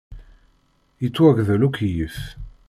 Yettwagdel ukeyyef!